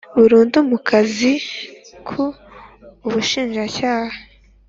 burundu mu kazi k Ubushinjacyaha